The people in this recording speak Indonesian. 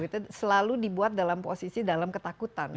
itu selalu dibuat dalam posisi dalam ketakutan